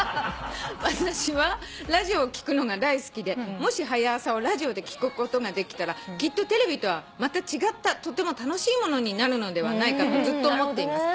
「私はラジオを聞くのが大好きでもし『はや朝』をラジオで聞くことができたらきっとテレビとはまた違ったとても楽しいものになるのではないかとずっと思っています」